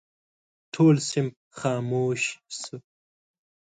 ټول صنف خاموش شو.